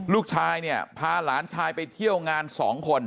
ลูกชายเนี่ยพาหลานชายไปเที่ยวงาน๒คน